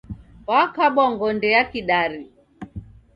Wakabwa ngonde ya Kidari